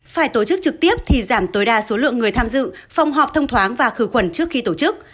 phải tổ chức trực tiếp thì giảm tối đa số lượng người tham dự phòng họp thông thoáng và khử khuẩn trước khi tổ chức